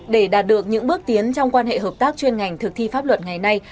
để đạt được những bước tiến trong quan hệ hợp tác chuyên ngành thực thi pháp luật ngày nay